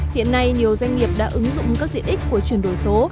hiện nay nhiều doanh nghiệp đã ứng dụng các diện ích của chuyển đổi số